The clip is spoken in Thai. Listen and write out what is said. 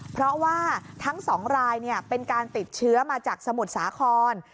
เพราะว่าทั้ง๒รายเป็นการติดเชื้อมาจากสมุทรสาคร